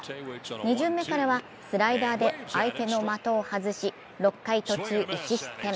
２巡目からはスライダーで相手の的を外し、６回途中１失点。